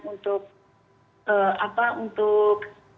untuk apa untuk